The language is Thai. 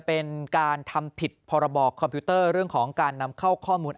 เป็นการทำผิดพรบคอมพิวเตอร์เรื่องของการนำเข้าข้อมูล